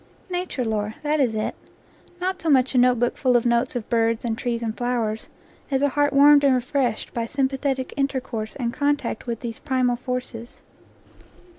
Nature lore that is it. Not so much a notebook 2 NATURE LORE full of notes of birds and trees and flowers as a heart warmed and refreshed by sympathetic intercourse and contact with these primal forces.